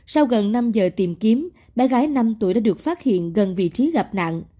sau gần năm giờ tìm kiếm bé gái năm tuổi đã được phát hiện gần vị trí gặp nạn